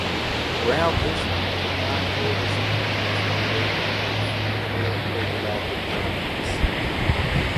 Around this the nine orders of angels are arranged in three more overlapping triangles.